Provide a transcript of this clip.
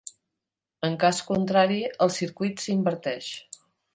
En cas contrari, el circuit s'inverteix.